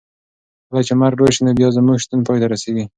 کله چې مرګ راشي نو بیا زموږ شتون پای ته رسېږي.